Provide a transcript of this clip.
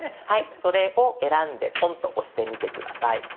それを選んでポンと押してみて下さい。